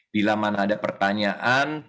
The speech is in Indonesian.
bila mana ada pertanyaan